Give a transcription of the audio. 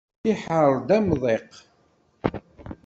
Iḥerr-d amḍiq.